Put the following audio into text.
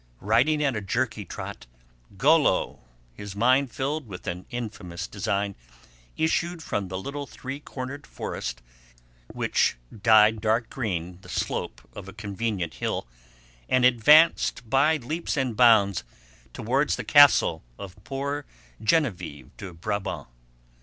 Riding at a jerky trot, Golo, his mind filled with an infamous design, issued from the little three cornered forest which dyed dark green the slope of a convenient hill, and advanced by leaps and bounds towards the castle of poor Geneviève de Brabant.